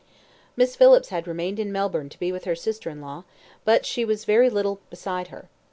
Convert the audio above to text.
Miss Phillips had remained in Melbourne to be with her sister in law, but she was very little beside her.